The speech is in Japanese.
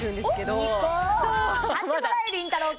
買ってもらいりんたろー。